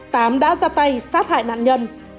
tám đã ra tay sát hại nạn nhân